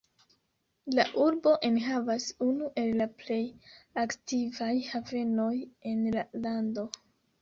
La urbo enhavas unu el la plej aktivaj havenoj en la lando.